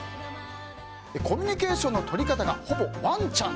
コミュニケーションのとり方がほぼワンちゃん。